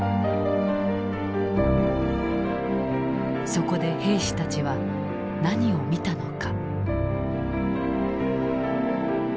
そこで兵士たちは何を見たのか。